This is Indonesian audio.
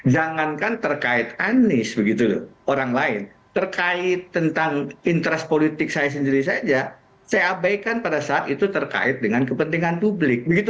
jangankan terkait anies begitu loh orang lain terkait tentang interest politik saya sendiri saja saya abaikan pada saat itu terkait dengan kepentingan publik